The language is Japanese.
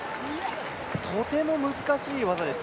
とても難しい技です。